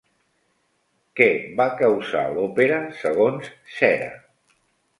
Què va causar l'òpera segons Cera?